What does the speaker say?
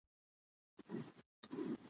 انګور د افغانستان د جغرافیې بېلګه ده.